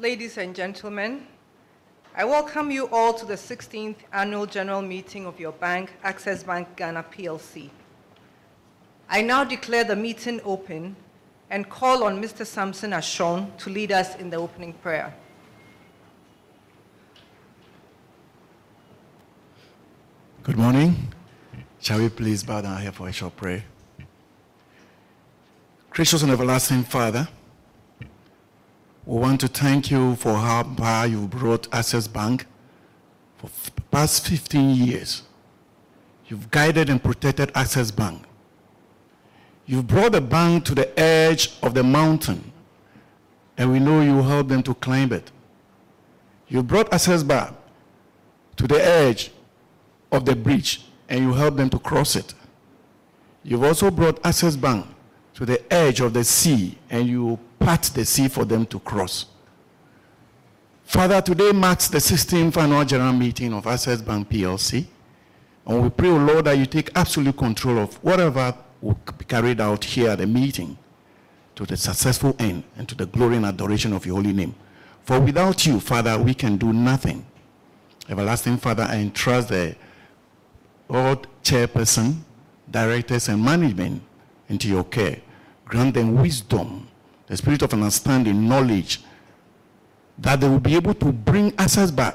Ladies and gentlemen, I welcome you all to the 16th Annual General Meeting of your bank, Access Bank (Ghana) Plc. I now declare the meeting open and call on Mr. Sampson Ashong to lead us in the opening prayer. Good morning. Shall we please bow down our head for I shall pray. Gracious and everlasting Father, we want to thank you for how far you've brought Access Bank. For the past 15 years, you've guided and protected Access Bank. You've brought the bank to the edge of the mountain, and we know you helped them to climb it. You brought Access Bank to the edge of the bridge, and you helped them to cross it. You've also brought Access Bank to the edge of the sea, and you part the sea for them to cross. Father, today marks the 16th Annual General Meeting of Access Bank Plc, and we pray, oh Lord, that you take absolute control of whatever will be carried out here at the meeting to the successful end and to the glory and adoration of your holy name. For without you, Father, we can do nothing. Everlasting Father, I entrust the board chairperson, directors, and management into your care. Grant them wisdom, the spirit of understanding, knowledge, that they will be able to bring Access Bank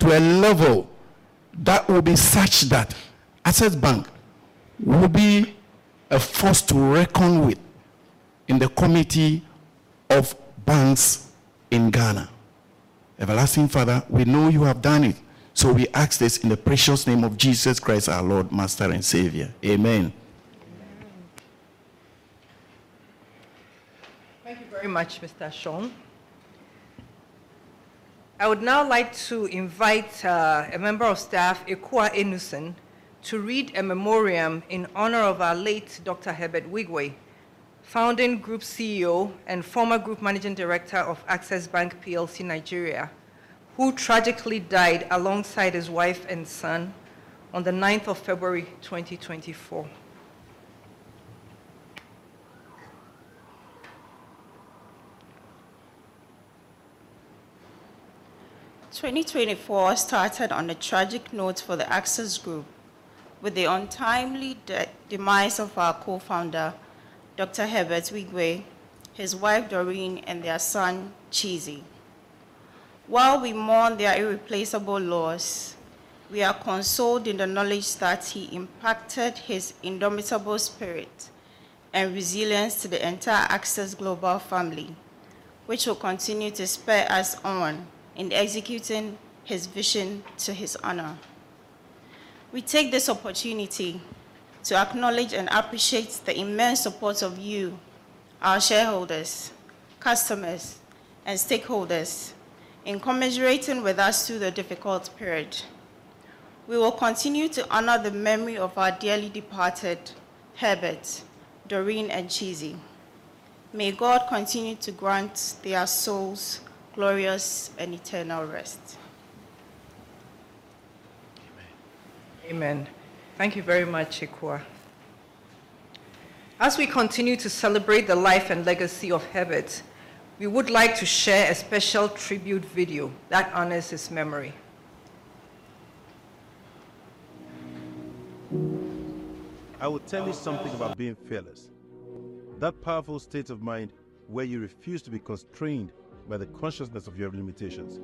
to a level that will be such that Access Bank will be a force to reckon with in the comity of banks in Ghana. Everlasting Father, we know you have done it, so we ask this in the precious name of Jesus Christ, our Lord, Master, and Savior. Amen. Amen. Thank you very much, Mr. Ashong. I would now like to invite a member of staff, Ekua Innocent, to read a memoriam in honor of our late Dr. Herbert Wigwe, founding Group CEO and former Group Managing Director of Access Bank Plc Nigeria, who tragically died alongside his wife and son on the 9th of February 2024. 2024 started on a tragic note for the Access Group, with the untimely demise of our co-founder, Dr. Herbert Wigwe, his wife Doreen, and their son Chizi. While we mourn their irreplaceable loss, we are consoled in the knowledge that he impacted his indomitable spirit and resilience to the entire Access global family, which will continue to spur us on in executing his vision to his honor. We take this opportunity to acknowledge and appreciate the immense support of you, our shareholders, customers, and stakeholders, in commiserating with us through the difficult period. We will continue to honor the memory of our dearly departed, Herbert, Doreen, and Chizi. May God continue to grant their souls glorious and eternal rest. Amen. Amen. Thank you very much, Ekua. As we continue to celebrate the life and legacy of Herbert, we would like to share a special tribute video that honors his memory. I will tell you something about being fearless, that powerful state of mind where you refuse to be constrained by the consciousness of your limitations.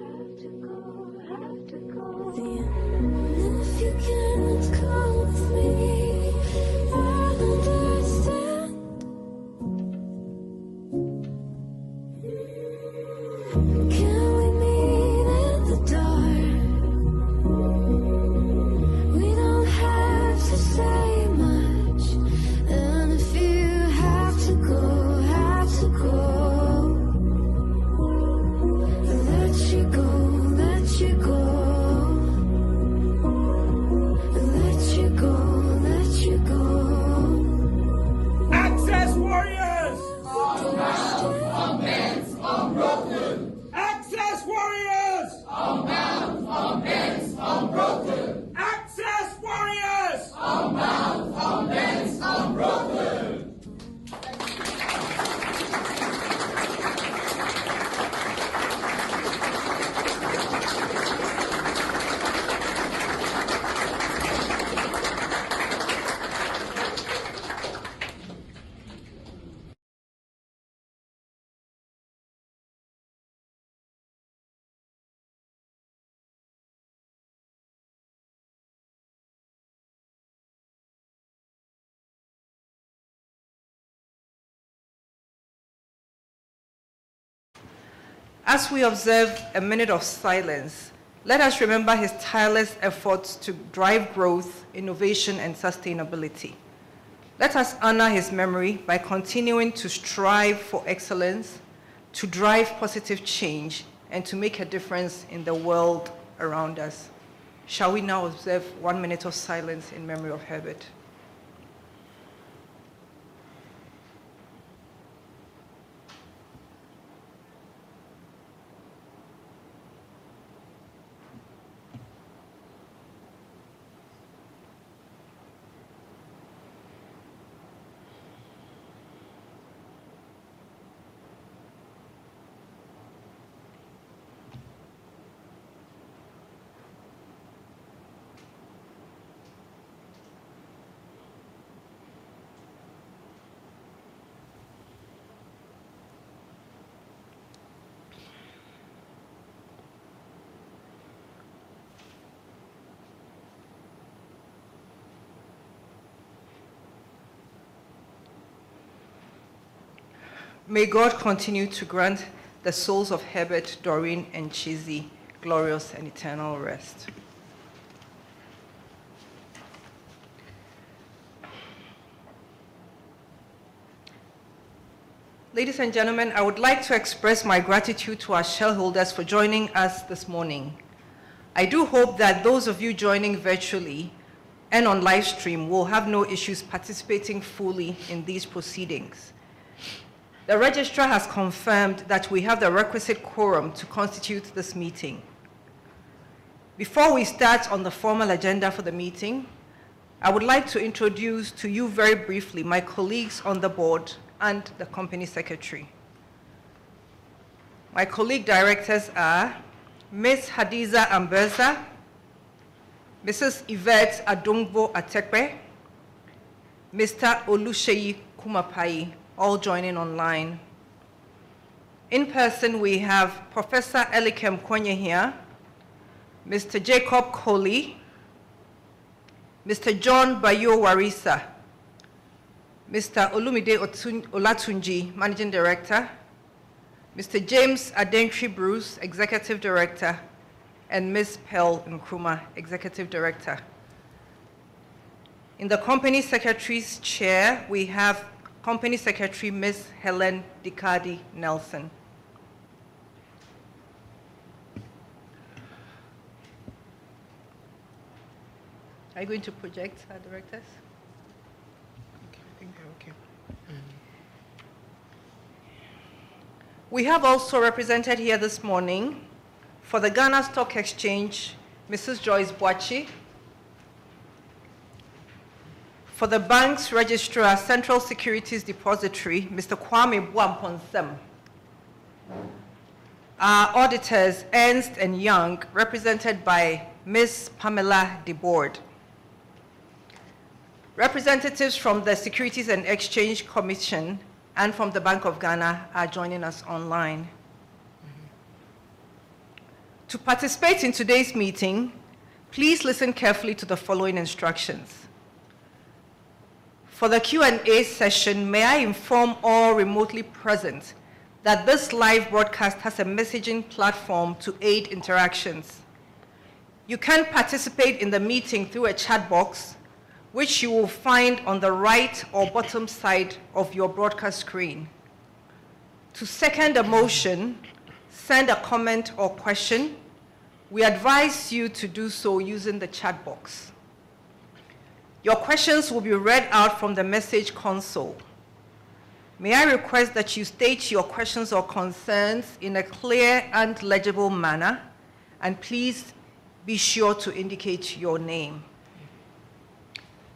Have to go, have to go, have to go. If you can't come with me, I'll understand. Can we meet in the dark? We don't have to say much. And if you have to go, have to go, I let you go, let you go. I let you go, let you go. Access warriors! Unbound, advanced, unbroken. Access warriors! Unbound, advanced, unbroken. Access warriors! Unbound, advanced, unbroken. As we observe a minute of silence, let us remember his tireless efforts to drive growth, innovation, and sustainability. Let us honor his memory by continuing to strive for excellence, to drive positive change, and to make a difference in the world around us. Shall we now observe one minute of silence in memory of Herbert? May God continue to grant the souls of Herbert, Doreen, and Chizi, glorious and eternal rest. Ladies and gentlemen, I would like to express my gratitude to our shareholders for joining us this morning. I do hope that those of you joining virtually and on live stream will have no issues participating fully in these proceedings. The registrar has confirmed that we have the requisite quorum to constitute this meeting. Before we start on the formal agenda for the meeting, I would like to introduce to you very briefly, my colleagues on the board and the company secretary. My colleague directors are: Ms. Hadiza Ambursa, Mrs. Yvette Adounvo Atekpe, Mr. Oluseyi Kumapayi, all joining online. In person, we have Professor Elikem Kuenyehia here, Mr. Jacob Kholi, Mr. John Bayuo Warisa, Mr. Olumide Olatunji, Managing Director, Mr. James Adentwi Bruce, Executive Director, and Ms. Pearl Nkrumah, Executive Director. In the company secretary's chair, we have Company Secretary, Ms. Helen Decardi-Nelson. Are you going to project our directors? Okay, I think they're okay. Mm-hmm. We have also represented here this morning, for the Ghana Stock Exchange, Mrs. Joyce Boakye. For the Bank's Registrar Central Securities Depository, Mr. Kwame Buampong-Sem. Our auditors, Ernst & Young, represented by Ms. Pamela Des Bordes. Representatives from the Securities and Exchange Commission and from the Bank of Ghana are joining us online. Mm-hmm. To participate in today's meeting, please listen carefully to the following instructions. For the Q&A session, may I inform all remotely present that this live broadcast has a messaging platform to aid interactions. You can participate in the meeting through a chat box, which you will find on the right or bottom side of your broadcast screen. To second a motion, send a comment or question. We advise you to do so using the chat box. Your questions will be read out from the message console. May I request that you state your questions or concerns in a clear and legible manner, and please be sure to indicate your name.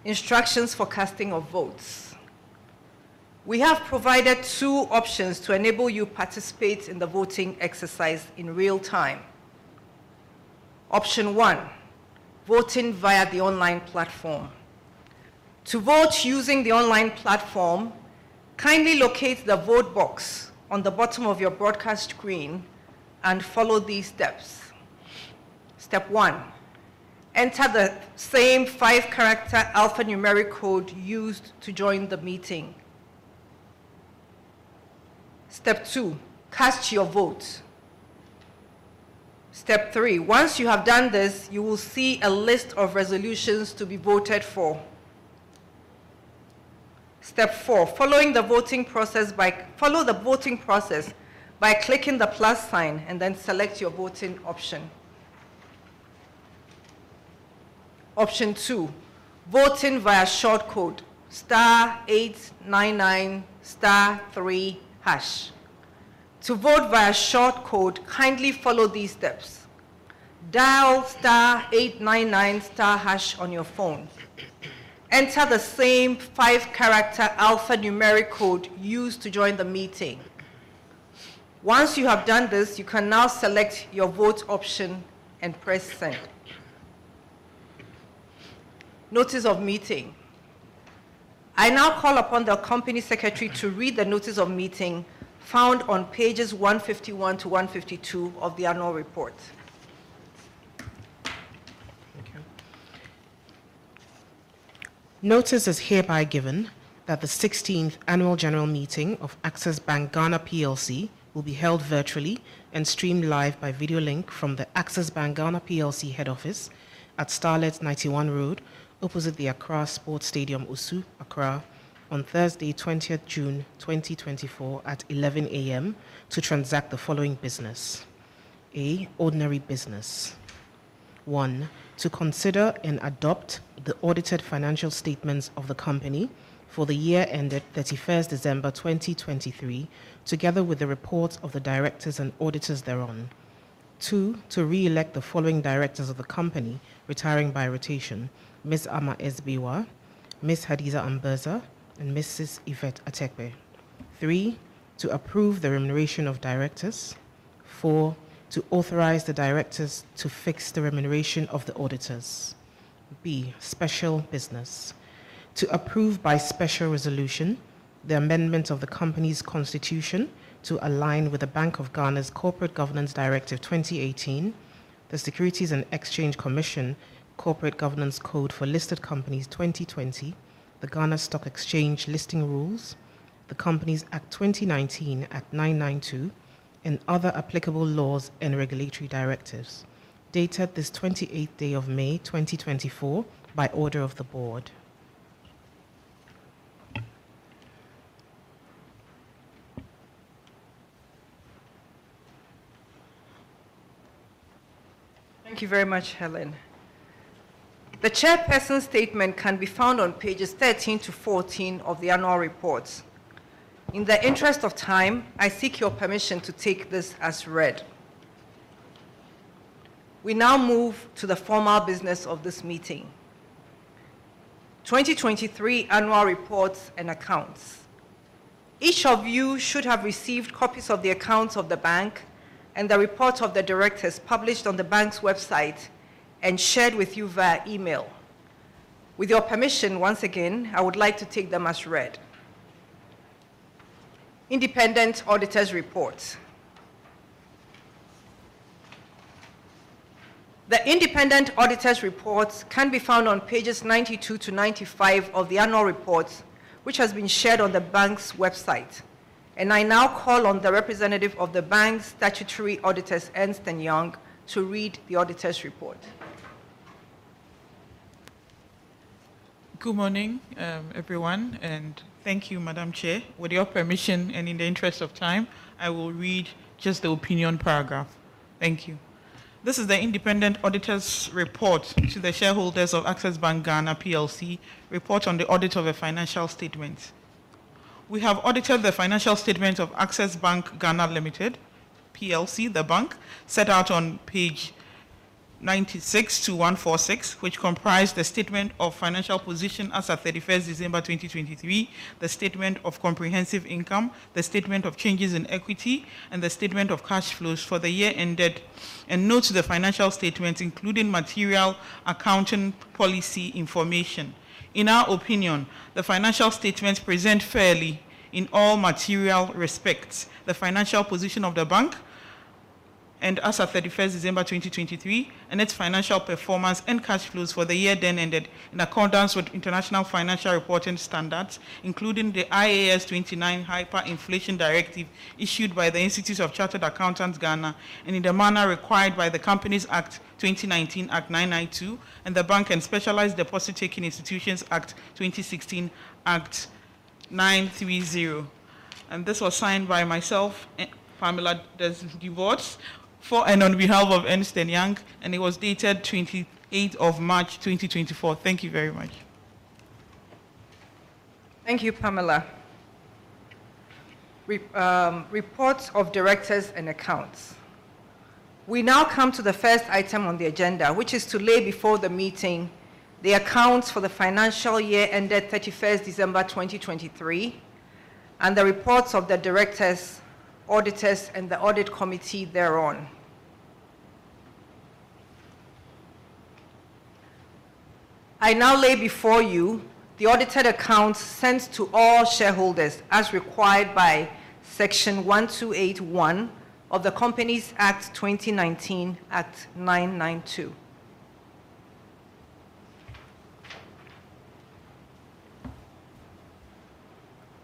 Instructions for casting of votes. We have provided two options to enable you participate in the voting exercise in real time. Option one: voting via the online platform. To vote using the online platform, kindly locate the vote box on the bottom of your broadcast screen and follow these steps. Step one: enter the same five-character alphanumeric code used to join the meeting. Step two: cast your vote. Step three: once you have done this, you will see a list of resolutions to be voted for. Step four: following the voting process by clicking the plus sign, and then select your voting option. Option two: voting via short code, star eight nine nine, star three, hash. To vote via short code, kindly follow these steps: dial star eight nine nine, star hash, on your phone. Enter the same five-character alphanumeric code used to join the meeting. Once you have done this, you can now select your vote option and press Send. Notice of meeting. I now call upon the company secretary to read the notice of meeting found on pages 151 to 152 of the annual report. Thank you. Notice is hereby given that the 16th Annual General Meeting of Access Bank (Ghana) Plc will be held virtually and streamed live by video link from the Access Bank (Ghana) Plc head office at Starlets '91 Road, opposite the Accra Sports Stadium, Osu, Accra, on Thursday, 20th June, 2024, at 11:00 A.M., to transact the following business: A. Ordinary business. One, to consider and adopt the audited financial statements of the company for the year ended 31 December, 2023, together with the reports of the directors and auditors thereon. Two, to re-elect the following directors of the company retiring by rotation: Ms. Ama S. Bawuah, Ms. Hadiza Ambursa, and Mrs. Yvette Adounvo Atekpe. Three, to approve the remuneration of directors. Four, to authorize the directors to fix the remuneration of the auditors. B, special business: To approve by special resolution the amendment of the company's constitution to align with the Bank of Ghana's Corporate Governance Directive 2018, the Securities and Exchange Commission Corporate Governance Code for Listed Companies 2020, the Ghana Stock Exchange Listing Rules, the Companies Act 2019, Act 992, and other applicable laws and regulatory directives. Dated this 28th day of May, 2024, by order of the board. Thank you very much, Helen. The chairperson's statement can be found on pages 13 to 14 of the annual report. In the interest of time, I seek your permission to take this as read. We now move to the formal business of this meeting. 2023 annual reports and accounts. Each of you should have received copies of the accounts of the bank and the report of the directors published on the bank's website and shared with you via email. With your permission, once again, I would like to take them as read. Independent auditor's report. The independent auditor's reports can be found on pages 92 to 95 of the annual report, which has been shared on the bank's website. I now call on the representative of the bank's statutory auditors, Ernst & Young, to read the auditor's report. Good morning, everyone, and thank you, Madam Chair. With your permission, and in the interest of time, I will read just the opinion paragraph. Thank you. This is the independent auditor's report to the shareholders of Access Bank (Ghana) Plc, report on the audit of the financial statement. We have audited the financial statement of Access Bank (Ghana) Plc, the bank, set out on page 96 to 146, which comprised the statement of financial position as at 31st December 2023, the statement of comprehensive income, the statement of changes in equity, and the statement of cash flows for the year ended, and notes the financial statements, including material accounting policy information. In our opinion, the financial statements present fairly, in all material respects, the financial position of the bank as of 31 December 2023, and its financial performance and cash flows for the year then ended in accordance with International Financial Reporting Standards, including the IAS 29 Hyperinflation Directive issued by the Institute of Chartered Accountants, Ghana, and in the manner required by the Companies Act 2019 (Act 992), and the Banks and Specialised Deposit-Taking Institutions Act 2016 (Act 930). This was signed by myself, Pamela Des Bordes, for and on behalf of Ernst & Young, and it was dated 28th March 2024. Thank you very much. Thank you, Pamela. Reports of directors and accounts. We now come to the first item on the agenda, which is to lay before the meeting the accounts for the financial year ended 31st December 2023, and the reports of the directors, auditors, and the audit committee thereon. I now lay before you the audited accounts sent to all shareholders, as required by Section 128(1) of the Companies Act 2019, Act 992.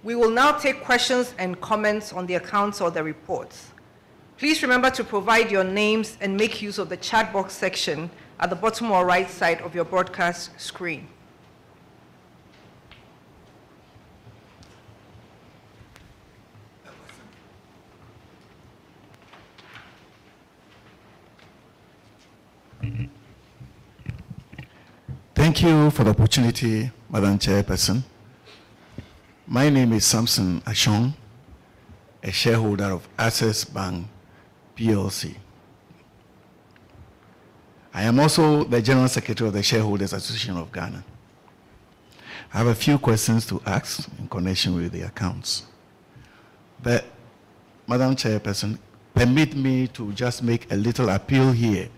We will now take questions and comments on the accounts or the reports. Please remember to provide your names and make use of the chat box section at the bottom or right side of your broadcast screen. Thank you for the opportunity, Madam Chairperson. My name is Sampson Ashong, a shareholder of Access Bank Plc. I am also the General Secretary of the Shareholders Association of Ghana. I have a few questions to ask in connection with the accounts. But, Madam Chairperson, permit me to just make a little appeal here,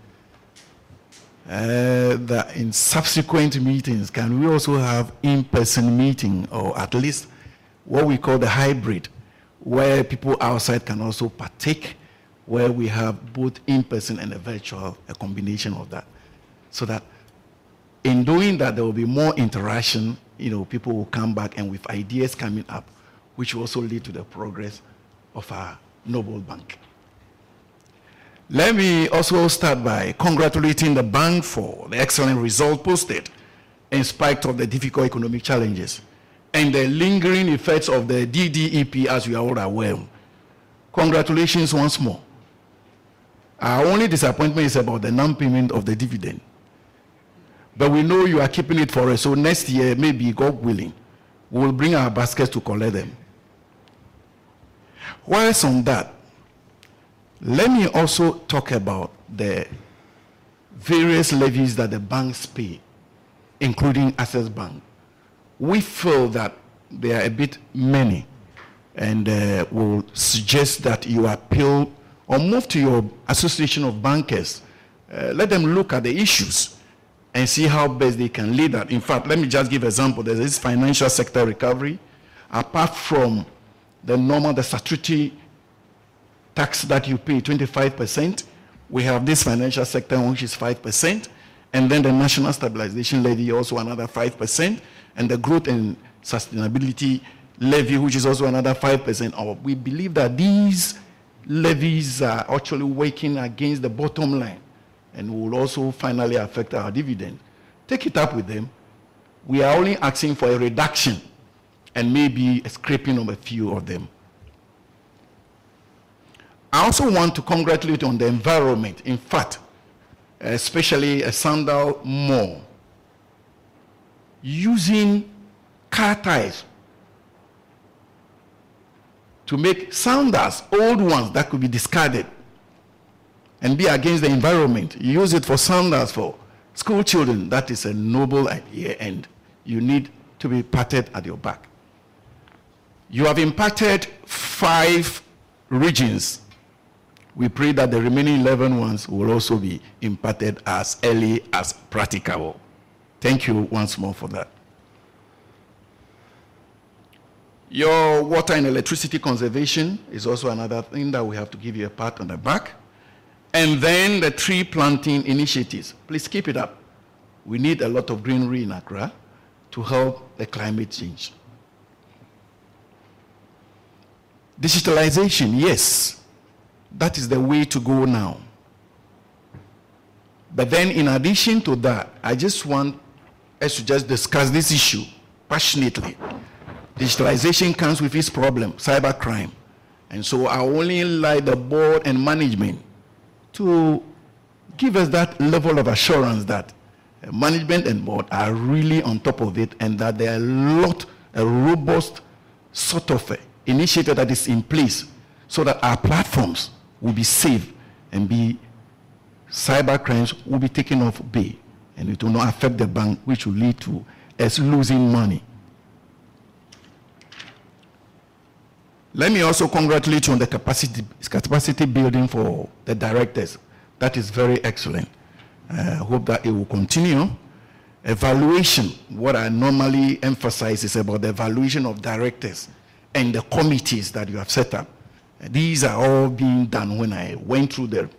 that in subsequent meetings, can we also have in-person meeting, or at least what we call the hybrid, where people outside can also partake, where we have both in-person and a virtual, a combination of that? So that in doing that, there will be more interaction, you know, people will come back and with ideas coming up, which will also lead to the progress of our noble bank. Let me also start by congratulating the bank for the excellent result posted in spite of the difficult economic challenges and the lingering effects of the DDEP, as we are all aware. Congratulations once more. Our only disappointment is about the non-payment of the dividend but we know you are keeping it for us, so next year, maybe, God willing, we'll bring our baskets to collect them. Whilst on that, let me also talk about the various levies that the banks pay, including Access Bank. We feel that they are a bit many, and we'll suggest that you appeal or move to your Association of Bankers. Let them look at the issues and see how best they can lead that. In fact, let me just give example. There's this financial sector recovery. Apart from the normal, the statutory tax that you pay, 25%, we have this financial sector, which is 5%, and then the national stabilization levy, also another 5%, and the growth and sustainability levy, which is also another 5%. We believe that these levies are actually working against the bottom line and will also finally affect our dividend. Take it up with them. We are only asking for a reduction and maybe a scrapping of a few of them. I also want to congratulate on the environment. In fact, especially Sandal More, using car tires to make sandals, old ones that could be discarded and be against the environment. You use it for sandals for school children. That is a noble idea, and you need to be patted at your back. You have impacted 5 regions. We pray that the remaining 11 ones will also be impacted as early as practicable. Thank you once more for that. Your water and electricity conservation is also another thing that we have to give you a pat on the back, and then the tree planting initiatives. Please keep it up. We need a lot of greenery in Accra to help the climate change. Digitalization, yes, that is the way to go now. But then in addition to that, I just want us to just discuss this issue passionately. Digitalization comes with its problem, cybercrime, and so I would only like the board and management to give us that level of assurance that management and board are really on top of it, and that there are a lot, a robust sort of initiative that is in place so that our platforms will be safe and be... Cybercrimes will be taken off by, and it will not affect the bank, which will lead to us losing money. Let me also congratulate you on the capacity, capacity building for the directors. That is very excellent. Hope that it will continue. Evaluation, what I normally emphasize is about the evaluation of directors and the committees that you have set up. These are all being done when I went through them.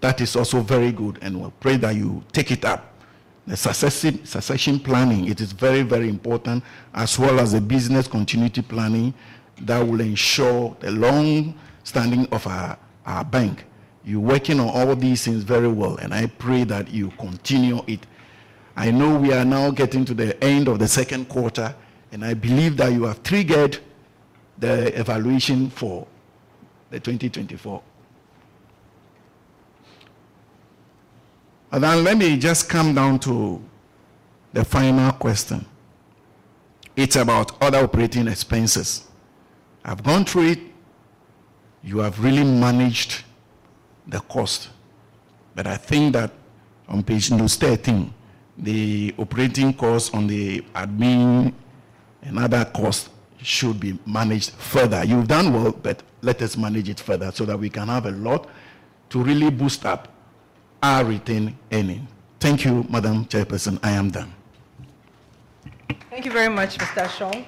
That is also very good, and we'll pray that you take it up. The succession planning, it is very, very important, as well as the business continuity planning that will ensure the long standing of our, our bank. You're working on all these things very well, and I pray that you continue it. I know we are now getting to the end of the second quarter, and I believe that you have triggered the evaluation for 2024. And then let me just come down to the final question. It's about other operating expenses. I've gone through it. You have really managed the cost, but I think that on page 13, the operating cost on the admin and other costs should be managed further. You've done well, but let us manage it further so that we can have a lot to really boost up our retained earning. Thank you, Madam Chairperson, I am done. Thank you very much, Mr. Ashong.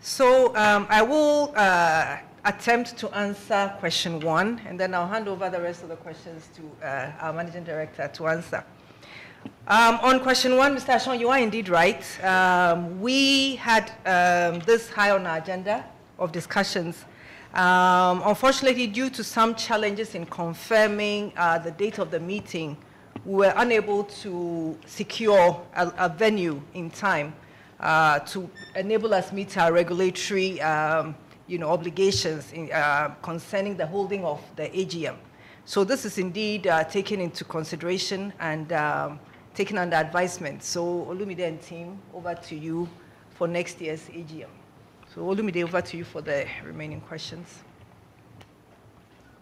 So, I will attempt to answer question one, and then I'll hand over the rest of the questions to our Managing Director to answer. On question one, Mr. Ashong, you are indeed right. We had this high on our agenda of discussions. Unfortunately, due to some challenges in confirming the date of the meeting, we were unable to secure a venue in time to enable us meet our regulatory, you know, obligations in concerning the holding of the AGM. So this is indeed taken into consideration and taken under advisement. So Olumide and team, over to you for next year's AGM. So Olumide, over to you for the remaining questions.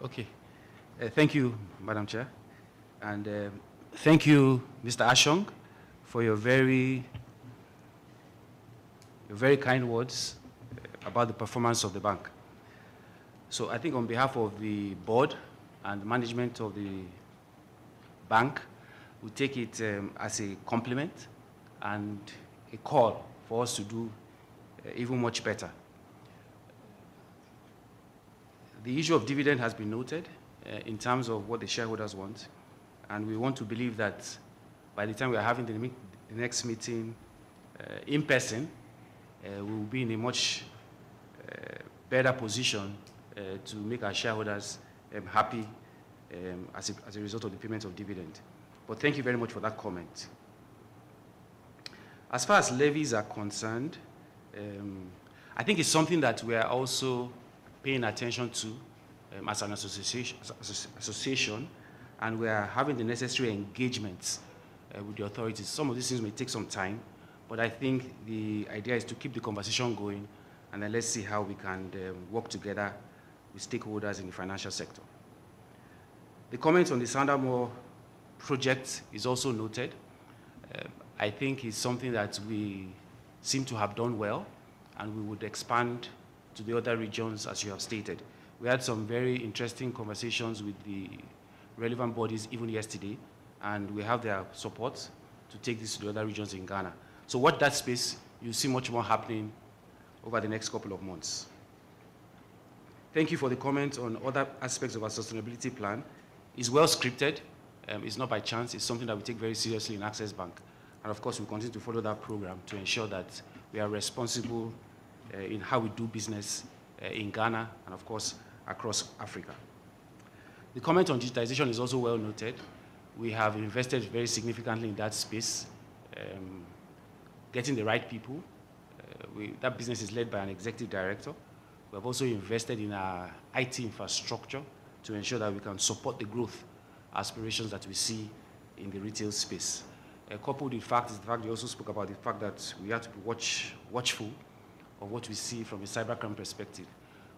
Okay. Thank you, Madam Chair, and thank you, Mr. Ashong, for your very kind words about the performance of the bank. So I think on behalf of the board and management of the bank, we take it as a compliment and a call for us to do even much better. The issue of dividend has been noted in terms of what the shareholders want, and we want to believe that by the time we are having the next meeting in person, we will be in a much better position to make our shareholders happy as a result of the payment of dividend. But thank you very much for that comment. As far as levies are concerned, I think it's something that we are also paying attention to, as an association, and we are having the necessary engagements with the authorities. Some of these things may take some time, but I think the idea is to keep the conversation going, and then let's see how we can work together with stakeholders in the financial sector. The comment on the Sandal More project is also noted. I think it's something that we seem to have done well, and we would expand to the other regions, as you have stated. We had some very interesting conversations with the relevant bodies even yesterday, and we have their support to take this to the other regions in Ghana. So watch that space, you'll see much more happening over the next couple of months. Thank you for the comment on other aspects of our sustainability plan. It's well scripted. It's not by chance, it's something that we take very seriously in Access Bank, and of course, we continue to follow that program to ensure that we are responsible in how we do business in Ghana and of course, across Africa. The comment on digitization is also well noted. We have invested very significantly in that space, getting the right people. That business is led by an executive director. We have also invested in our IT infrastructure to ensure that we can support the growth aspirations that we see in the retail space. A couple of the facts, in fact, we also spoke about the fact that we have to be watchful of what we see from a cybercrime perspective.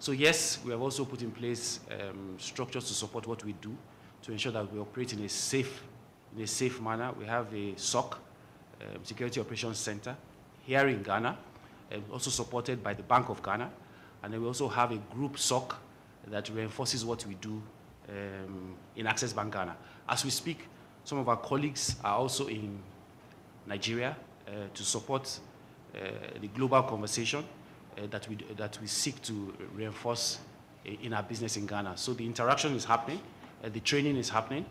So yes, we have also put in place, structures to support what we do, to ensure that we operate in a safe, in a safe manner. We have a SOC, Security Operations Center, here in Ghana, also supported by the Bank of Ghana, and then we also have a group SOC that reinforces what we do, in Access Bank Ghana. As we speak, some of our colleagues are also in Nigeria, to support, the global conversation, that we, that we seek to reinforce in our business in Ghana. So the interaction is happening, the training is happening,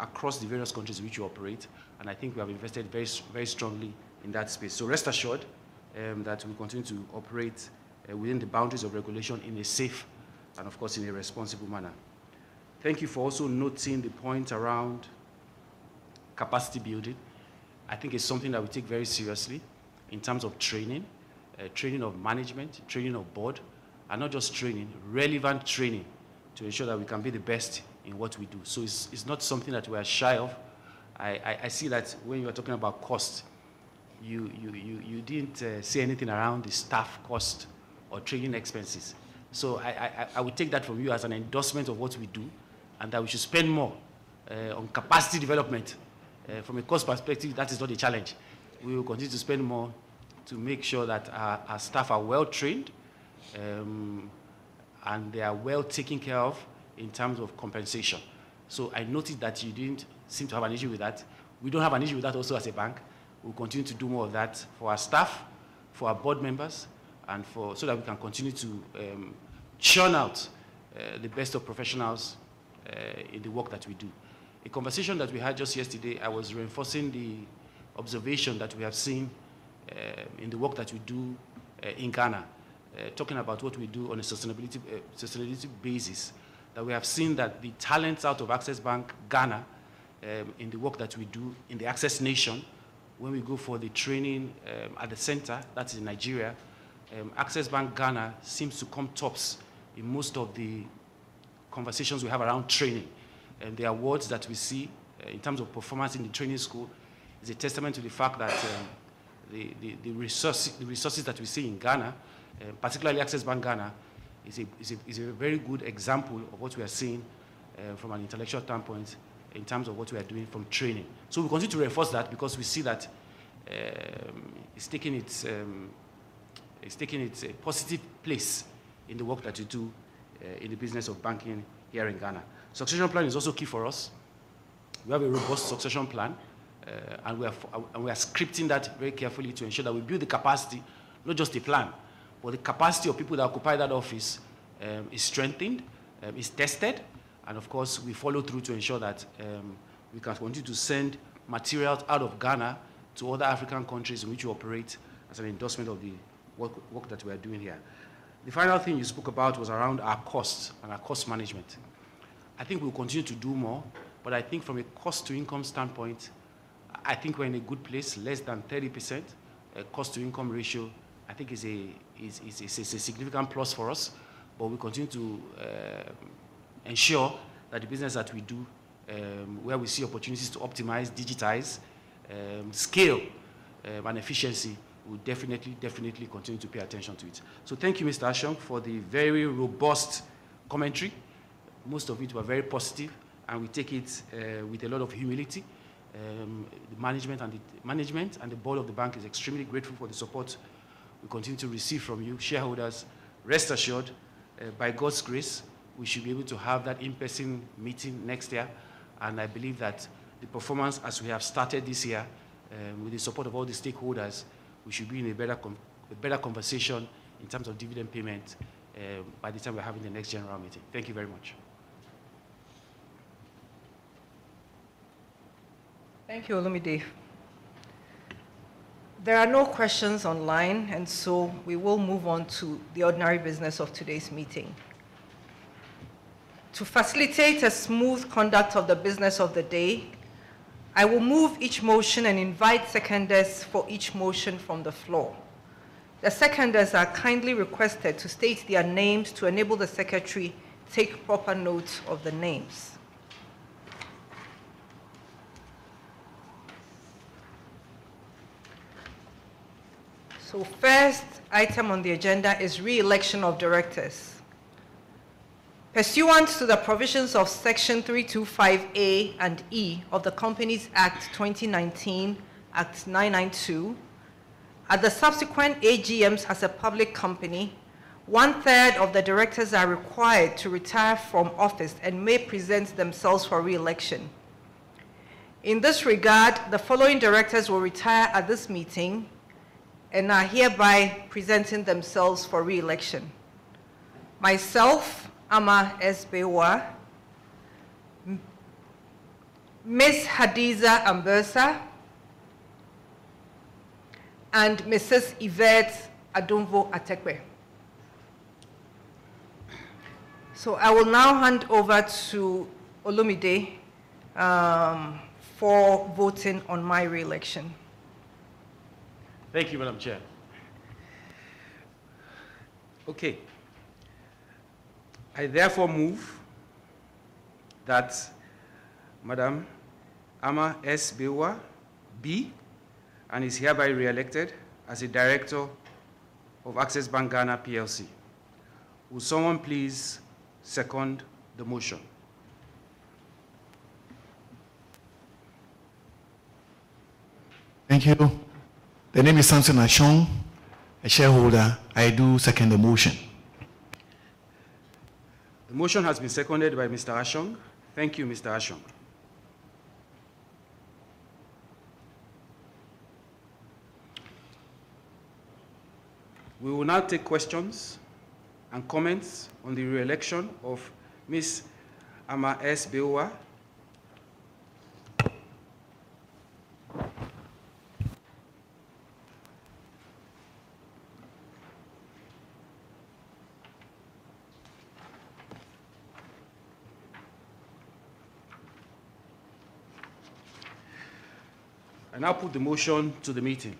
across the various countries in which we operate, and I think we have invested very strongly in that space. So rest assured, that we continue to operate, within the boundaries of regulation in a safe and of course, in a responsible manner. Thank you for also noting the point around capacity building. I think it's something that we take very seriously in terms of training, training of management, training of board, and not just training, relevant training, to ensure that we can be the best in what we do. So it's, it's not something that we are shy of. I see that when you are talking about cost, you didn't say anything around the staff cost or training expenses. So I will take that from you as an endorsement of what we do, and that we should spend more, on capacity development. From a cost perspective, that is not a challenge. We will continue to spend more to make sure that our staff are well-trained and they are well taken care of in terms of compensation. So I noticed that you didn't seem to have an issue with that. We don't have an issue with that also as a bank. We'll continue to do more of that for our staff, for our board members, and for... so that we can continue to churn out the best of professionals in the work that we do. A conversation that we had just yesterday, I was reinforcing the observation that we have seen in the work that we do in Ghana. Talking about what we do on a sustainability, sustainability basis, that we have seen that the talents out of Access Bank Ghana, in the work that we do in the Access nation, when we go for the training, at the center, that's in Nigeria, Access Bank Ghana seems to come tops in most of the conversations we have around training. And the awards that we see, in terms of performance in the training school, is a testament to the fact that, the resources that we see in Ghana, particularly Access Bank Ghana, is a very good example of what we are seeing, from an intellectual standpoint in terms of what we are doing from training. So we continue to reinforce that because we see that, it's taking its positive place in the work that we do, in the business of banking here in Ghana. Succession plan is also key for us. We have a robust succession plan, and we are scripting that very carefully to ensure that we build the capacity, not just the plan, but the capacity of people that occupy that office, is strengthened, is tested, and of course, we follow through to ensure that, we can continue to send materials out of Ghana to other African countries in which we operate as an endorsement of the work that we are doing here. The final thing you spoke about was around our costs and our cost management. I think we'll continue to do more, but I think from a cost-to-income standpoint, I think we're in a good place. Less than 30%, cost-to-income ratio, I think is a significant plus for us. But we continue to ensure that the business that we do, where we see opportunities to optimize, digitize, scale, and efficiency, we definitely continue to pay attention to it. So thank you, Mr. Ashong, for the very robust commentary. Most of it were very positive, and we take it with a lot of humility. The management and the board of the bank is extremely grateful for the support we continue to receive from you shareholders. Rest assured, by God's grace, we should be able to have that in-person meeting next year, and I believe that the performance as we have started this year, with the support of all the stakeholders, we should be in a better conversation in terms of dividend payment, by the time we're having the next general meeting. Thank you very much. Thank you, Olumide. There are no questions online, and so we will move on to the ordinary business of today's meeting. To facilitate a smooth conduct of the business of the day, I will move each motion and invite seconders for each motion from the floor. The seconders are kindly requested to state their names to enable the secretary take proper notes of the names. So first item on the agenda is re-election of directors. Pursuant to the provisions of Section 325A and E of the Companies Act 2019, Act 992, at the subsequent AGMs as a public company, one third of the directors are required to retire from office and may present themselves for re-election. In this regard, the following directors will retire at this meeting and are hereby presenting themselves for re-election: myself, Ama S. Bawuah, Miss Hadiza Ambursa, and Mrs. Yvette Adounvo Atekpe. So I will now hand over to Olumide for voting on my re-election. Thank you, Madam Chair. Okay. I therefore move that Madam Ama S. Bawuah be, and is hereby re-elected as a director of Access Bank (Ghana) Plc. Will someone please second the motion? Thank you. The name is Sampson Ashong, a shareholder. I do second the motion. The motion has been seconded by Mr. Ashong. Thank you, Mr. Ashong. We will now take questions and comments on the re-election of Ms. Ama S. Bawuah. I now put the motion to the meeting.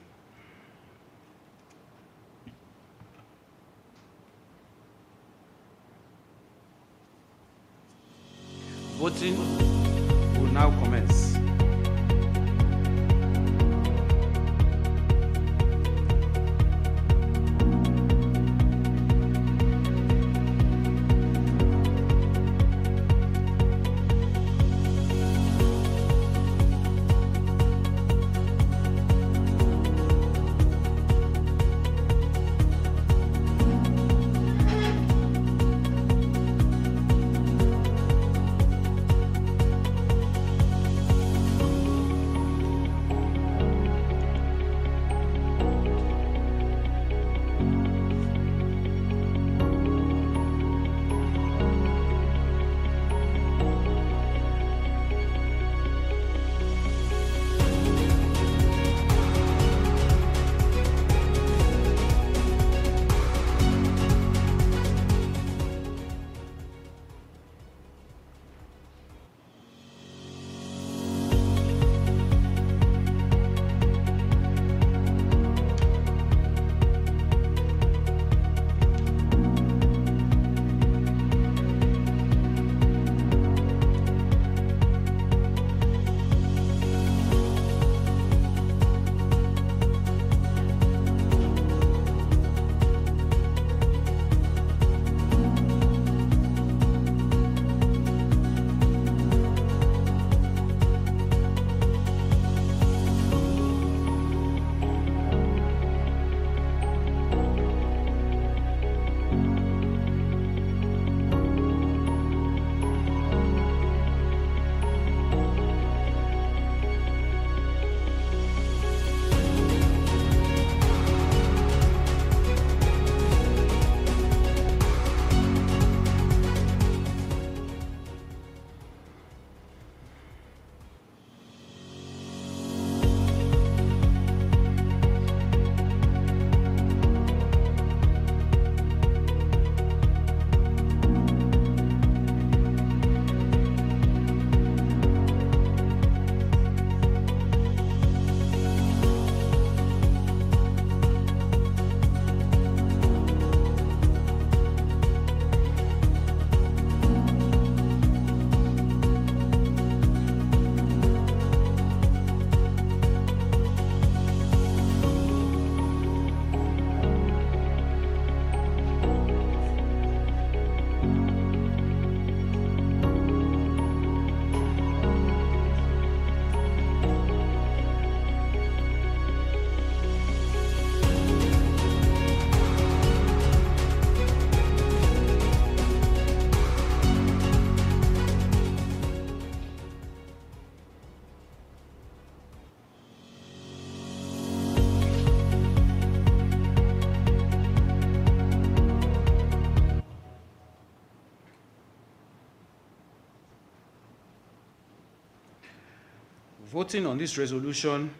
Voting will now commence. Voting on this resolution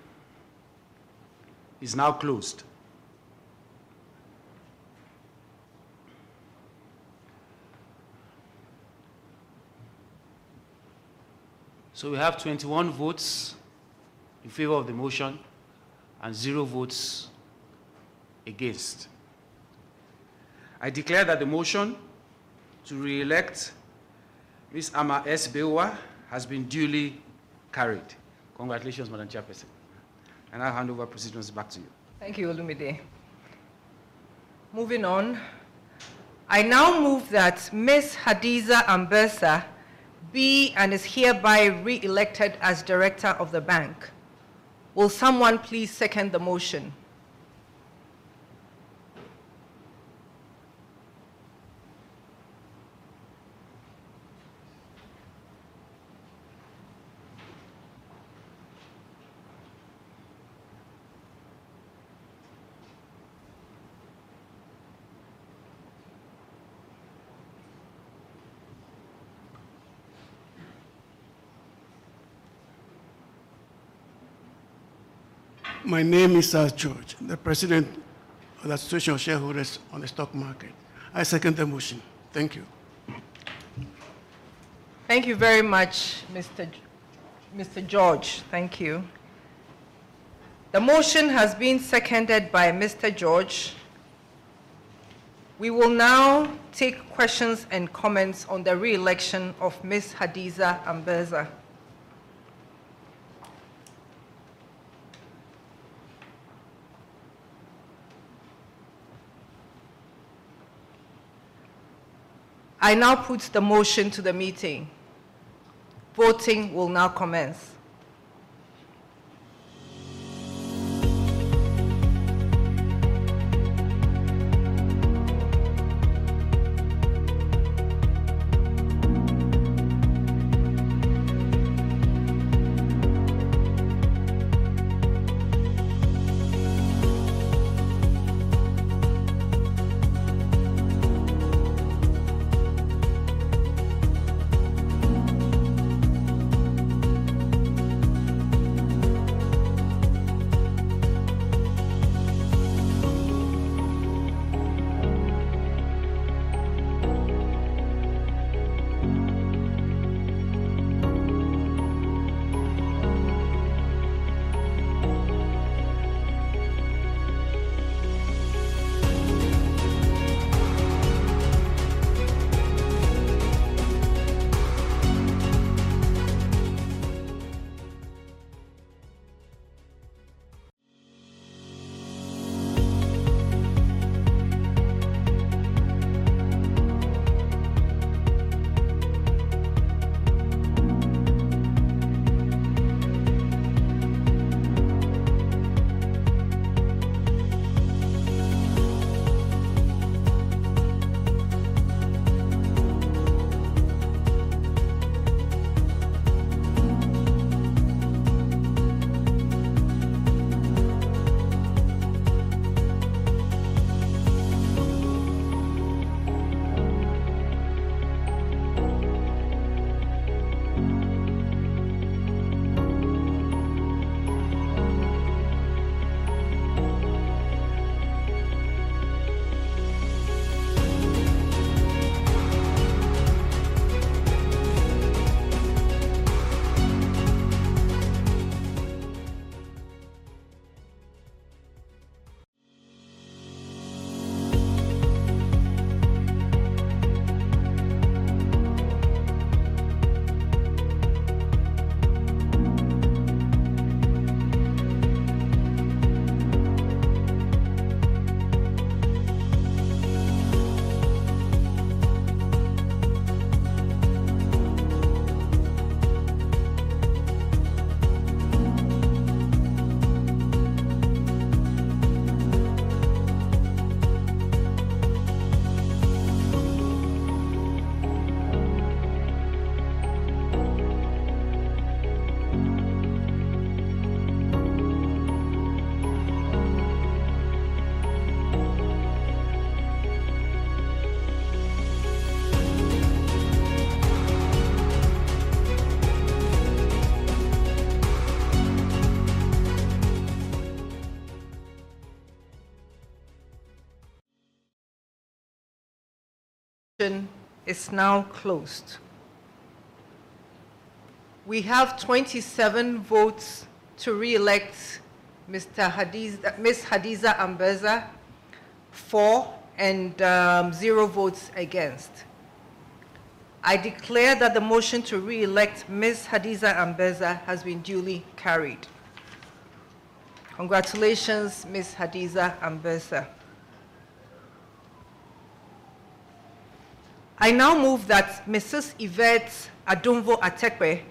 is now closed. So we have 21 votes in favor of the motion and zero votes against. I declare that the motion to re-elect Ms. Ama S. Bawuah has been duly carried. Congratulations, Madam Chairperson, and I'll hand over proceedings back to you. Thank you, Olumide. Moving on, I now move that Ms. Hadiza Ambursa be, and is hereby re-elected as director of the bank. Will someone please second the motion? My name is George, the president of the Association of Shareholders on the stock market. I second the motion. Thank you. Thank you very much, Mr. George. Thank you. The motion has been seconded by Mr. George. We will now take questions and comments on the re-election of Ms. Hadiza Ambursa. I now put the motion to the meeting. Voting will now commence. Is now closed. We have 27 votes to re-elect Ms. Hadiza Ambursa for, and zero votes against. I declare that the motion to re-elect Ms. Hadiza Ambursa has been duly carried. Congratulations, Ms. Hadiza Ambursa. I now move that Mrs. Yvette Adounvo Atekpe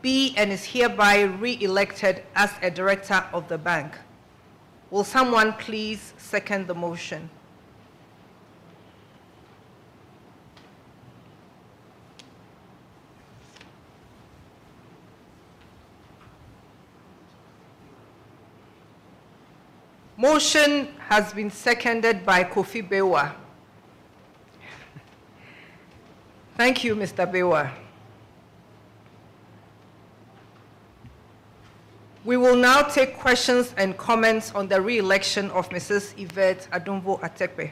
be, and is hereby re-elected as a director of the bank. Will someone please second the motion? Motion has been seconded by Kofi Bawuah. Thank you, Mr. Bawuah. We will now take questions and comments on the re-election of Mrs. Yvette Adounvo Atekpe.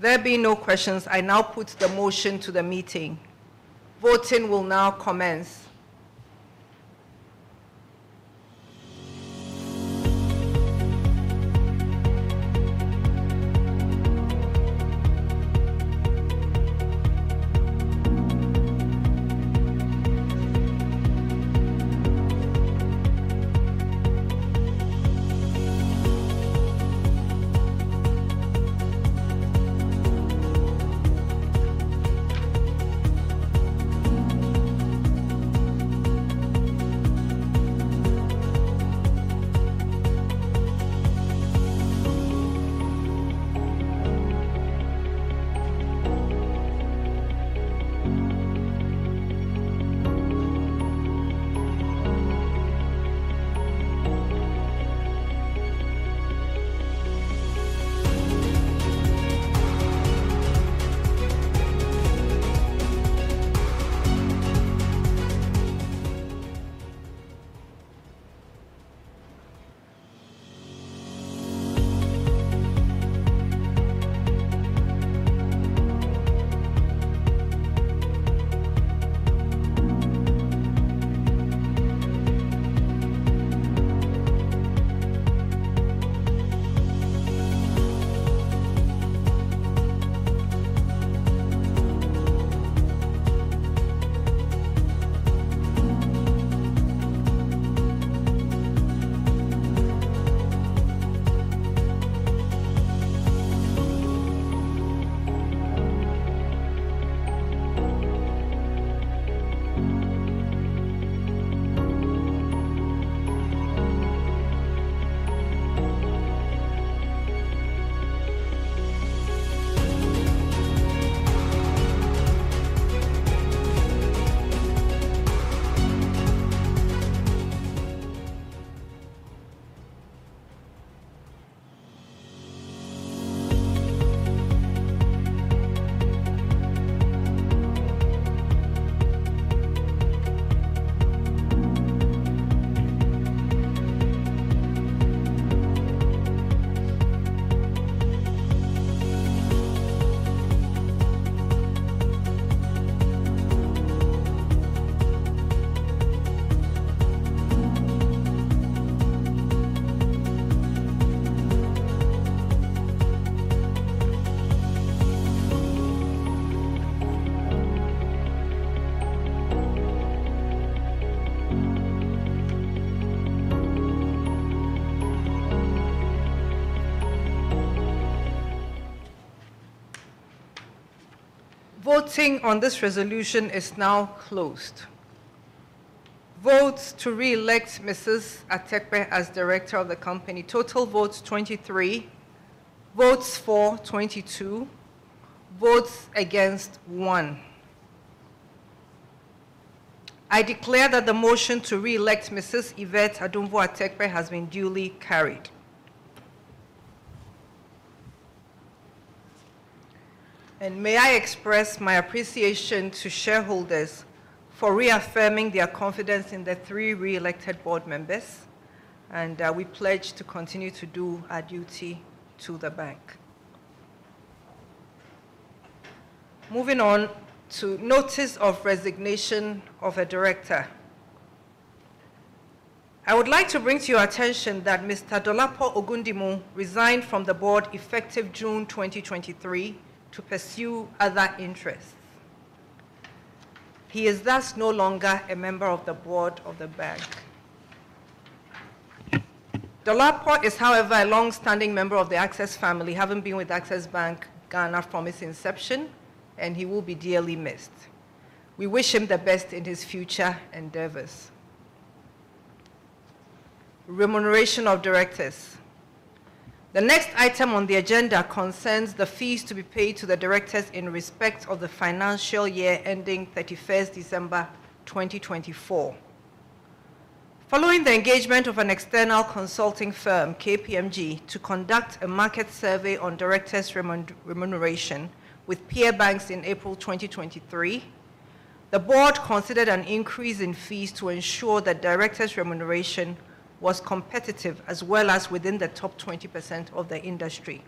There being no questions, I now put the motion to the meeting. Voting will now commence. Voting on this resolution is now closed. Votes to re-elect Mrs. Atekpe as director of the company: total votes 23, votes for 22, votes against 1. I declare that the motion to re-elect Mrs. Yvette Adounvo Atekpe has been duly carried. May I express my appreciation to shareholders for reaffirming their confidence in the three re-elected board members, and we pledge to continue to do our duty to the bank. Moving on to notice of resignation of a director. I would like to bring to your attention that Mr. Dolapo Ogundimu resigned from the board effective June 2023, to pursue other interests. He is thus no longer a member of the board of the bank. Dolapo is, however, a long-standing member of the Access family, having been with Access Bank Ghana from its inception, and he will be dearly missed. We wish him the best in his future endeavors. Remuneration of directors. The next item on the agenda concerns the fees to be paid to the directors in respect of the financial year ending 31st December 2024. Following the engagement of an external consulting firm, KPMG, to conduct a market survey on directors remuneration with peer banks in April 2023, the board considered an increase in fees to ensure that directors' remuneration was competitive, as well as within the top 20% of the industry.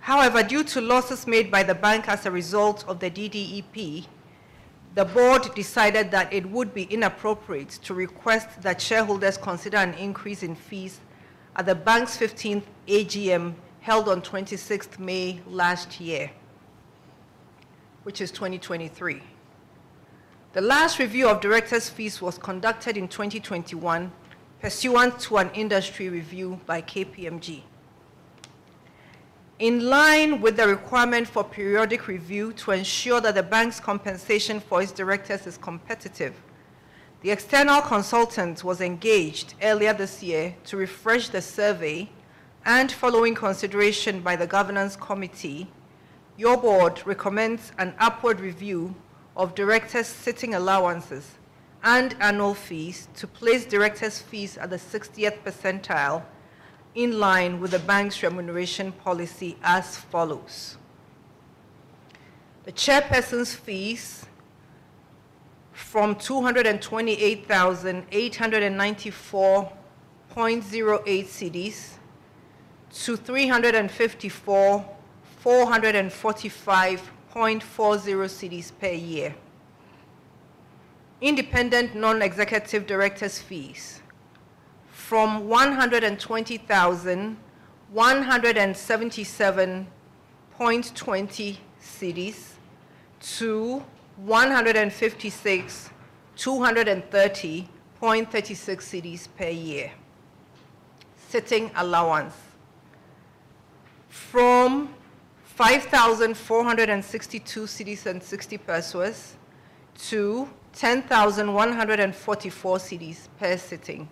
However, due to losses made by the bank as a result of the DDEP, the board decided that it would be inappropriate to request that shareholders consider an increase in fees at the bank's 15th AGM, held on 26th May last year, which is 2023. The last review of directors' fees was conducted in 2021, pursuant to an industry review by KPMG. In line with the requirement for periodic review to ensure that the bank's compensation for its directors is competitive. The external consultant was engaged earlier this year to refresh the survey, and following consideration by the governance committee, your board recommends an upward review of directors' sitting allowances and annual fees to place directors' fees at the 60th percentile, in line with the bank's remuneration policy as follows: the chairperson's fees from GHS 228,894.08 cedis to GHS 354,445.40 cedis per year. Independent non-executive directors' fees from GHS 120,177.20 cedis to GHS 156,230.36 cedis per year. Sitting allowance, from GHS 5,462.60 cedis to GHS 10,144 cedis per sitting.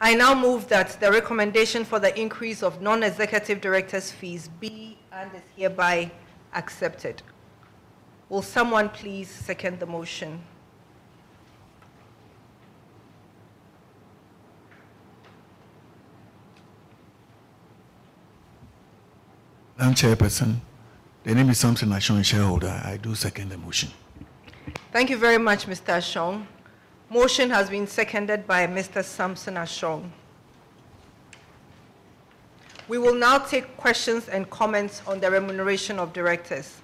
I now move that the recommendation for the increase of non-executive directors' fees be, and is hereby, accepted. Will someone please second the motion? I'm chairperson. The name is Sampson Ashong, shareholder. I do second the motion. Thank you very much, Mr. Ashong. Motion has been seconded by Mr. Sampson Ashong. We will now take questions and comments on the remuneration of directors.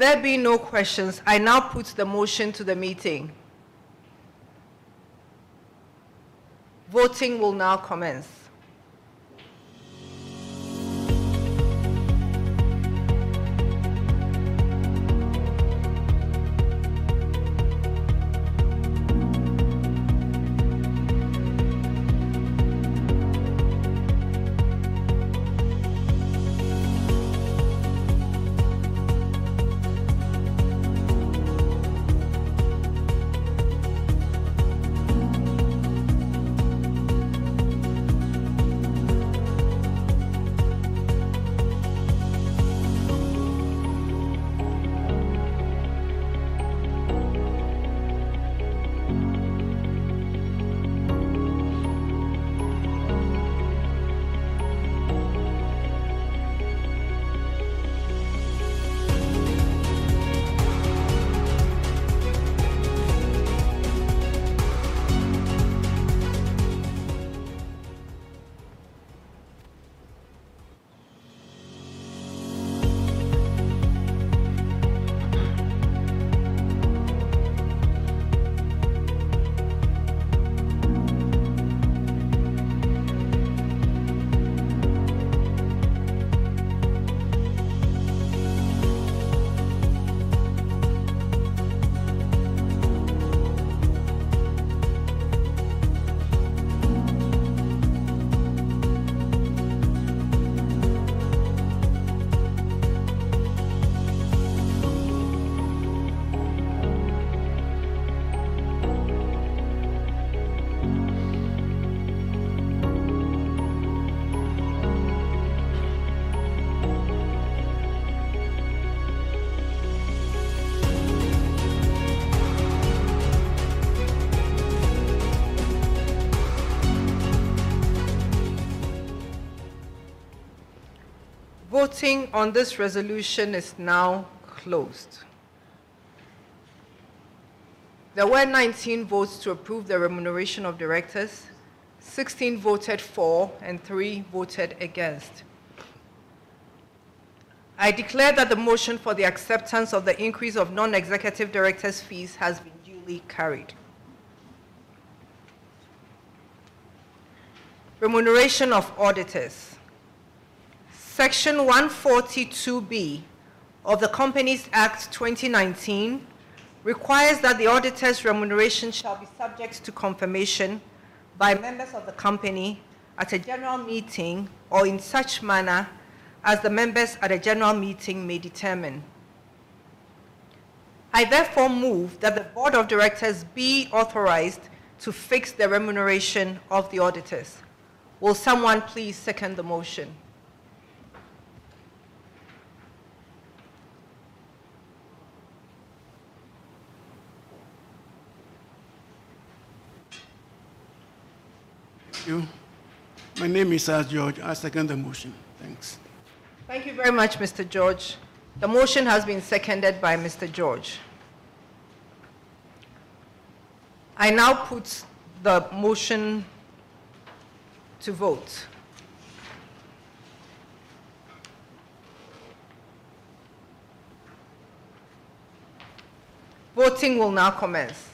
There being no questions, I now put the motion to the meeting. Voting will now commence. Voting on this resolution is now closed. There were 19 votes to approve the remuneration of directors, 16 voted for, and 3 voted against. I declare that the motion for the acceptance of the increase of non-executive directors' fees has been duly carried. Remuneration of auditors. Section 142B of the Companies Act, 2019 requires that the auditors' remuneration shall be subject to confirmation by members of the company at a general meeting, or in such manner as the members at a general meeting may determine. I therefore move that the board of directors be authorized to fix the remuneration of the auditors. Will someone please second the motion? Thank you. My name is George. I second the motion. Thanks. Thank you very much, Mr. George. The motion has been seconded by Mr. George. I now put the motion to vote. Voting will now commence.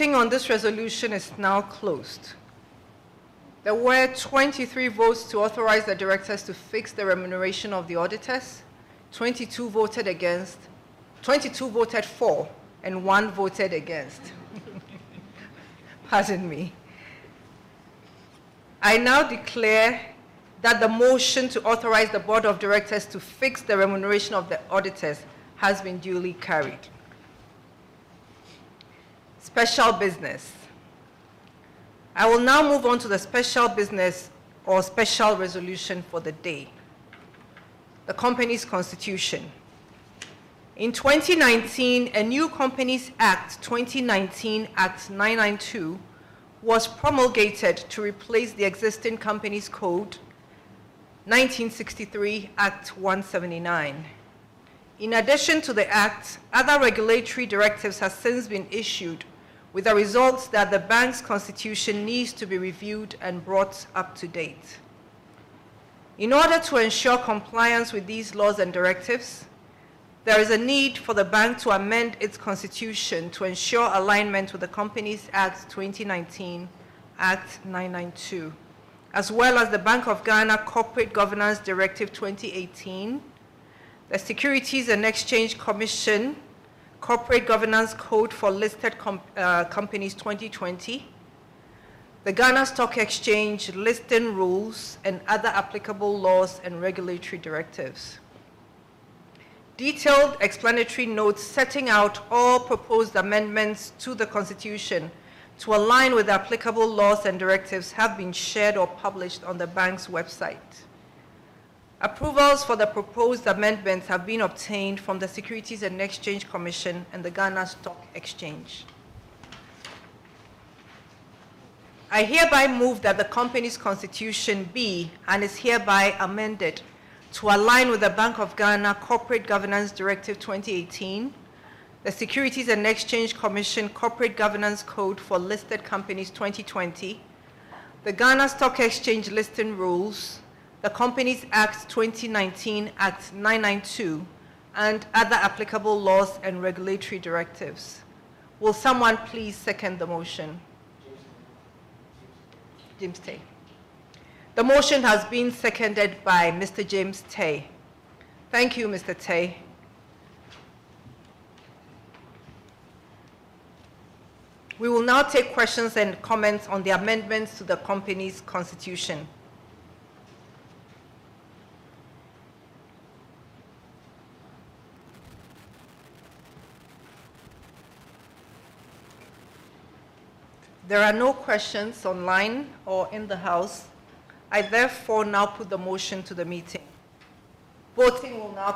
Voting on this resolution is now closed. There were 23 votes to authorize the directors to fix the remuneration of the auditors, 22 voted against. 22 voted for, and 1 voted against. Pardon me. I now declare that the motion to authorize the board of directors to fix the remuneration of the auditors has been duly carried. Special business. I will now move on to the special business or special resolution for the day, the company's constitution. In 2019, a new Companies Act, 2019, Act 992, was promulgated to replace the existing Companies Code, 1963, Act 179. In addition to the act, other regulatory directives have since been issued, with the result that the bank's constitution needs to be reviewed and brought up to date. In order to ensure compliance with these laws and directives, there is a need for the bank to amend its constitution to ensure alignment with the Companies Act 2019, Act 992, as well as the Bank of Ghana Corporate Governance Directive 2018, the Securities and Exchange Commission Corporate Governance Code for Listed Companies, 2020, the Ghana Stock Exchange Listing Rules, and other applicable laws and regulatory directives. Detailed explanatory notes setting out all proposed amendments to the constitution to align with applicable laws and directives have been shared or published on the bank's website. Approvals for the proposed amendments have been obtained from the Securities and Exchange Commission and the Ghana Stock Exchange. I hereby move that the company's constitution be, and is hereby amended to align with the Bank of Ghana Corporate Governance Directive, 2018, the Securities and Exchange Commission Corporate Governance Code for Listed Companies, 2020, the Ghana Stock Exchange Listing Rules, the Companies Act, 2019 (Act 992), and other applicable laws and regulatory directives. Will someone please second the motion? James Tay. The motion has been seconded by Mr. James Tay. Thank you, Mr. Tay. We will now take questions and comments on the amendments to the company's constitution. There are no questions online or in the house. I therefore now put the motion to the meeting. Voting will now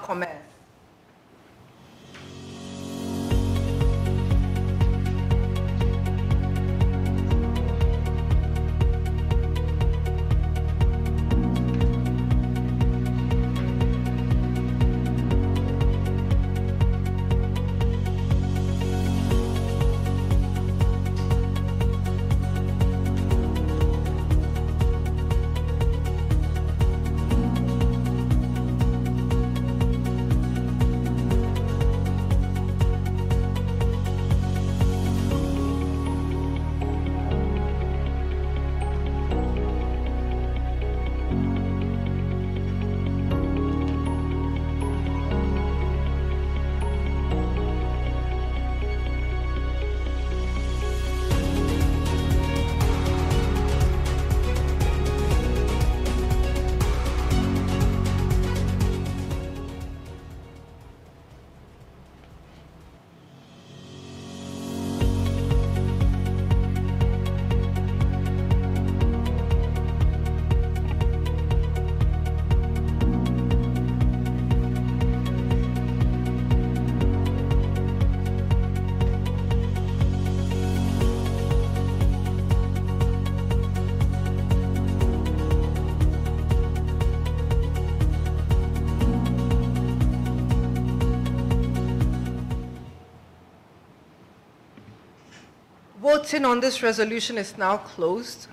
commence. Voting on this resolution is now closed.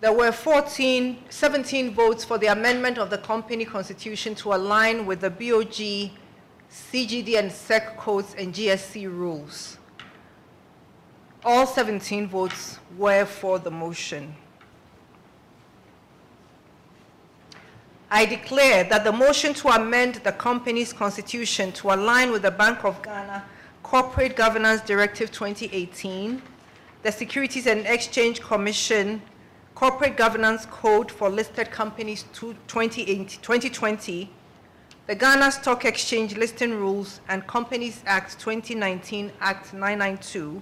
There were 17 votes for the amendment of the company constitution to align with the BoG, CGD, and SEC codes and GSE rules. All 17 votes were for the motion. I declare that the motion to amend the company's constitution to align with the Bank of Ghana Corporate Governance Directive, 2018, the Securities and Exchange Commission Corporate Governance Code for Listed Companies, 2020, the Ghana Stock Exchange Listing Rules and Companies Act, 2019 (Act 992),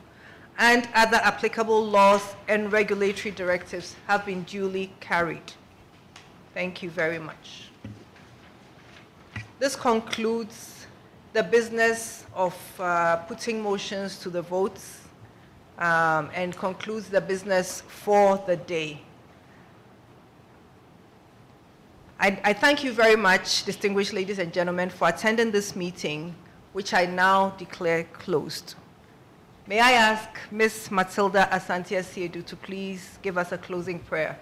and other applicable laws and regulatory directives have been duly carried. Thank you very much. This concludes the business of putting motions to the votes, and concludes the business for the day. I, I thank you very much, distinguished ladies and gentlemen, for attending this meeting, which I now declare closed. May I ask Ms. Matilda Asante-Asiedu to please give us a closing prayer?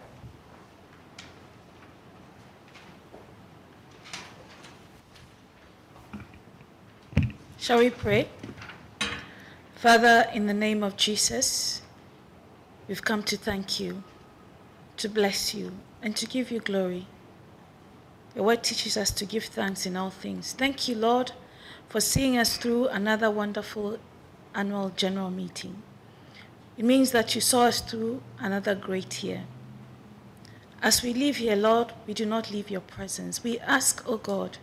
Shall we pray? Father, in the name of Jesus, we've come to thank you, to bless you, and to give you glory. Your Word teaches us to give thanks in all things. Thank you, Lord, for seeing us through another wonderful annual general meeting. It means that you saw us through another great year. As we leave here, Lord, we do not leave your presence. We ask, oh God,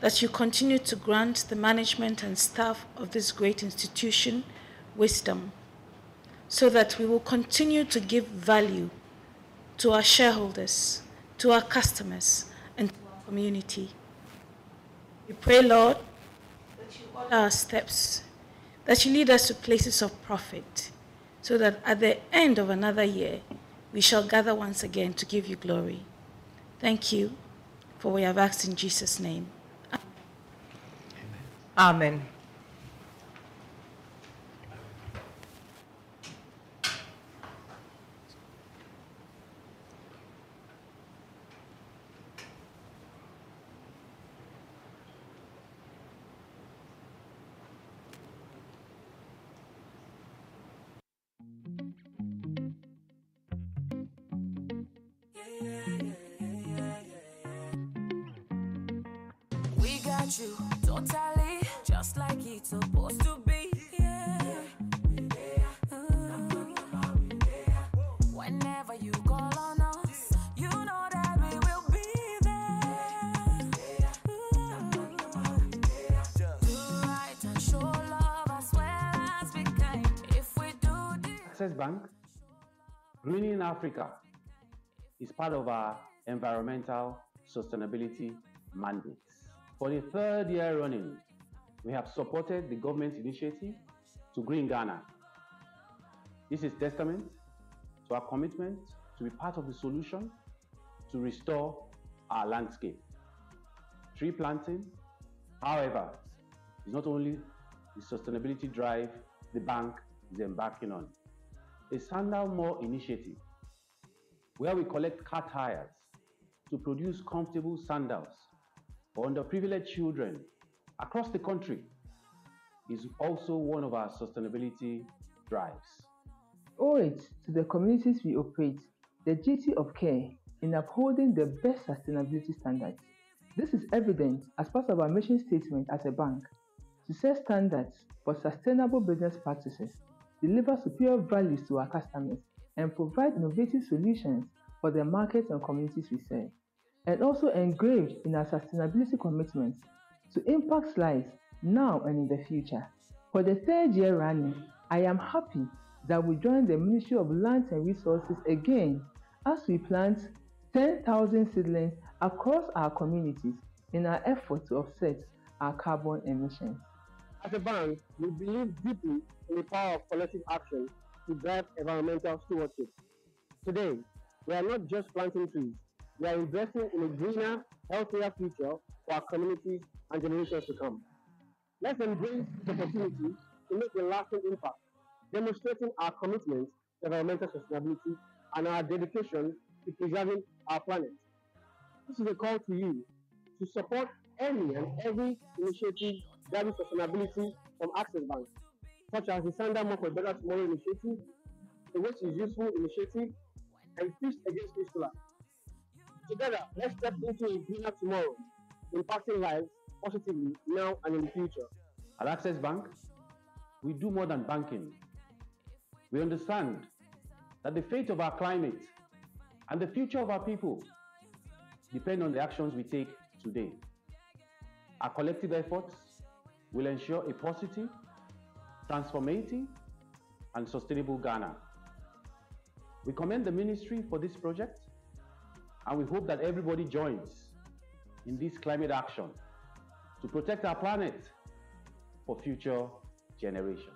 that you continue to grant the management and staff of this great institution wisdom, so that we will continue to give value to our shareholders, to our customers, and to our community. We pray, Lord, that you order our steps, that you lead us to places of profit, so that at the end of another year, we shall gather once again to give you glory. Thank you, for we have asked in Jesus' name, amen. Amen. At Access Bank, greening Africa is part of our environmental sustainability mandates. For the third year running, we have supported the government's initiative to Green Ghana. This is testament to our commitment to be part of the solution to restore our landscape. Tree planting, however, is not only the sustainability drive the bank is embarking on. A Sandal More initiative, where we collect car tires to produce comfortable sandals for underprivileged children across the country, is also one of our sustainability drives. We owe it to the communities we operate, the duty of care in upholding the best sustainability standards. This is evident as part of our mission statement as a bank: to set standards for sustainable business practices, deliver superior values to our customers, and provide innovative solutions for the markets and communities we serve, and also engraved in our sustainability commitment to impact lives now and in the future. For the third year running, I am happy that we joined the Ministry of Lands and Resources again as we plant 10,000 seedlings across our communities in our effort to offset our carbon emissions. At the bank, we believe deeply in the power of collective action to drive environmental stewardship. Today, we are not just planting trees, we are investing in a greener, healthier future for our communities and generations to come. Let's embrace the opportunity to make a lasting impact, demonstrating our commitment to environmental sustainability and our dedication to preserving our planet. This is a call to you to support any and every initiative driving sustainability from Access Bank, such as the Sandal More for Better Tomorrow initiative, the Waste is Useful initiative, and the Push Against Wasteful Acts. Together, let's step into a greener tomorrow, impacting lives positively, now and in the future. At Access Bank, we do more than banking. We understand that the fate of our climate and the future of our people depend on the actions we take today. Our collective efforts will ensure a positive, transformative, and sustainable Ghana. We commend the ministry for this project, and we hope that everybody joins in this climate action to protect our planet for future generations.